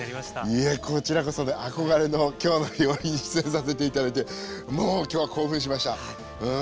いやこちらこそね憧れの「きょうの料理」に出演させて頂いてもう今日は興奮しましたうん。